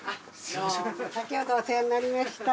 どうも先ほどはお世話になりました。